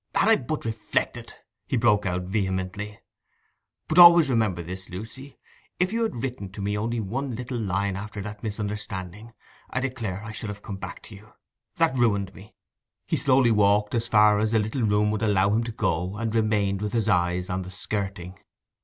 Had I but reflected ...' He broke out vehemently: 'But always remember this, Lucy: if you had written to me only one little line after that misunderstanding, I declare I should have come back to you. That ruined me!' he slowly walked as far as the little room would allow him to go, and remained with his eyes on the skirting.